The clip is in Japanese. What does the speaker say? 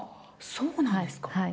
そうなんですか。